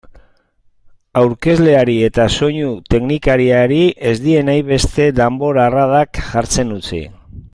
Aurkezleari eta soinu-teknikariari ez die nahi beste danbor-arradak jartzen utzi.